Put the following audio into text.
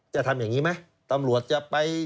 จะทำอย่างนี้ไหมตำรวจจะไป